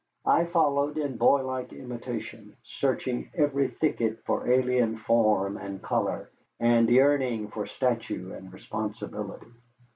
I followed in boylike imitation, searching every thicket for alien form and color, and yearning for stature and responsibility.